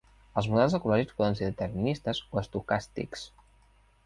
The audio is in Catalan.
Els models ecològics poden ser deterministes o estocàstics.